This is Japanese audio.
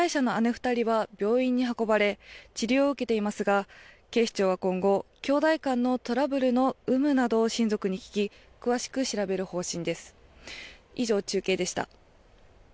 ２人は病院に運ばれ治療を受けていますが、警視庁は今後、きょうだい間のトラブルの有無などを親族に聞き、詳しく調べる方針です。